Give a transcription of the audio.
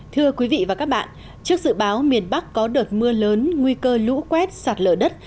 thưa quý vị và các bạn trước dự báo miền bắc có đợt mưa lớn nguy cơ lũ quét sạt lở đất